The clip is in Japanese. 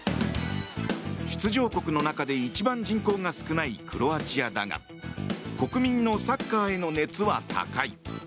出場国の中で一番人口の少ないクロアチアだが国民のサッカーへの熱は高い。